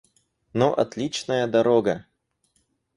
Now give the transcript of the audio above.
Но отличная дорога.